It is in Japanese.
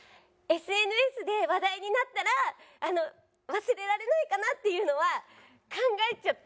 ＳＮＳで話題になったら忘れられないかなっていうのは考えちゃってる。